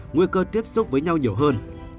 nguy cơ tiếp xúc với nhau nhiều hơn